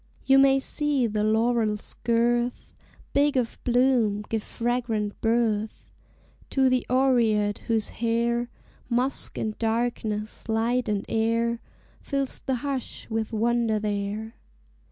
You may see the laurel's girth, Big of bloom, give fragrant birth To the oread whose hair, Musk and darkness, light and air, Fills the hush with wonder there.